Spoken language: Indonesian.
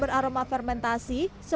serangga terung di sini